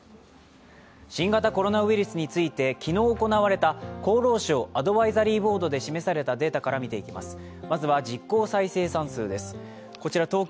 新型コロナウイルスについて昨日行われた厚労省アドバイザリーボードで示されたデータから見ていきます。